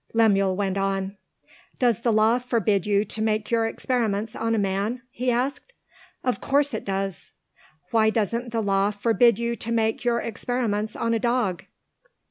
Lemuel went on. "Does the Law forbid you to make your experiments on a man?" he asked. "Of course it does!" "Why doesn't the Law forbid you to make your experiments on a dog?"